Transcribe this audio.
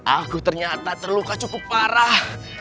aku ternyata terluka cukup parah